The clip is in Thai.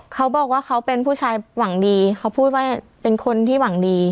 เขาบอกว่าเขาเป็นผู้ชายหวังดีเขาพูดว่าเป็นคนที่หวังดี